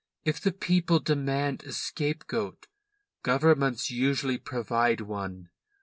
If the people demand a scapegoat, governments usually provide one.